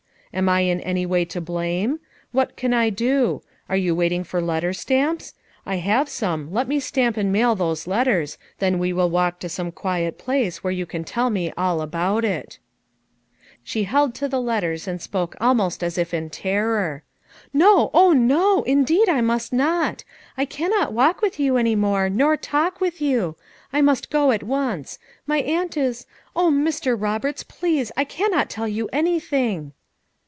Am I in any way to blame? What can I do? Are you waiting for letter stamps? I have some; let me stamp and mail those letters, then we will walk to some quiet place where you can tell me all about it." FOUR MOTHERS AT CHAUTAUQUA 249 She held to the letters and spoke almost as if in terror. "No! oh, no! indeed I must not! I cannot walk with you any more, nor talk with you; I must go at once; my aunt is— Oh, Mr. Roberts, please! I cannot tell you anything.